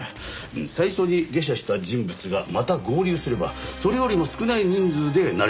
最初に下車した人物がまた合流すればそれよりも少ない人数で成り立ちますな。